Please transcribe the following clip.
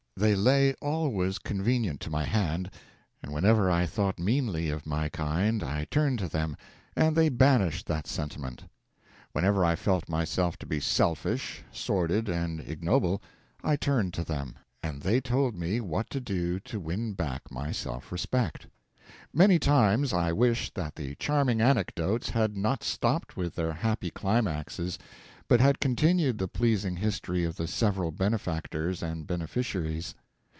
They lay always convenient to my hand, and whenever I thought meanly of my kind I turned to them, and they banished that sentiment; whenever I felt myself to be selfish, sordid, and ignoble I turned to them, and they told me what to do to win back my self respect. Many times I wished that the charming anecdotes had not stopped with their happy climaxes, but had continued the pleasing history of the several benefactors and beneficiaries.